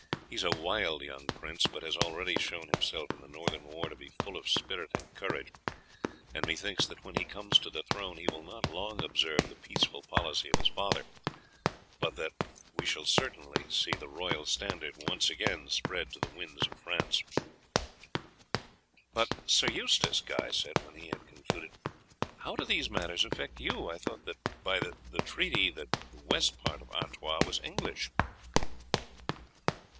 He is a wild young prince, but has already shown himself in the Northern war to be full of spirit and courage, and methinks that when he comes to the throne he will not long observe the peaceful policy of his father, but that we shall see the royal standard once again spread to the winds of France." "But, Sir Eustace," Guy said, when he had concluded, "how do these matters affect you? I thought that by the treaty the west part of Artois was English."